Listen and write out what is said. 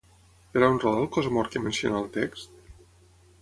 Per on roda el cos mort que menciona el text?